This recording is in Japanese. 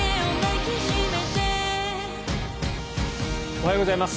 おはようございます。